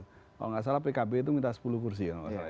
kalau nggak salah pkb itu minta sepuluh kursi